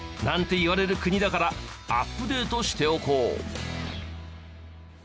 言われる国だからアップデートしておこう。